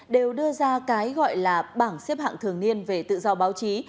đều đưa ra cái gọi là bảng xếp hạng thường niên về tự do báo chí